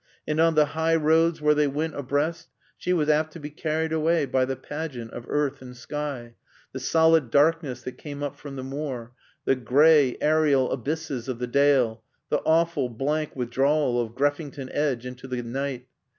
And on the high roads where they went abreast she was apt to be carried away by the pageant of earth and sky; the solid darkness that came up from the moor; the gray, aerial abysses of the dale; the awful, blank withdrawal of Greffington Edge into the night.